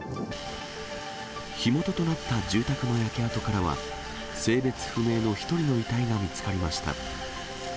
火元となった住宅の焼け跡からは、性別不明の１人の遺体が見つかりました。